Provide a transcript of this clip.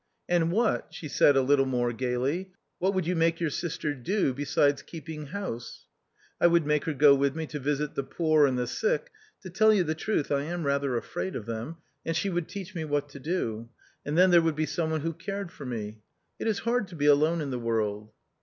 " And what," she said a little more gaily, " what would you make your sister do — besides keeping house ?"" I would make her go with me to visit the poor and the sick — to tell you the truth, I am rather afraid of them — and she would teach me what to do. And then there would be some one who cared for me. It is hard to be alone in the world."